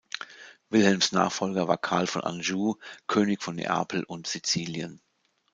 Wilhelms Nachfolger war Karl von Anjou, König von Neapel und Sizilien.